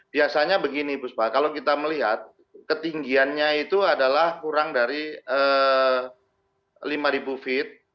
biasanya begini bu spa kalau kita melihat ketinggiannya itu adalah kurang dari lima feet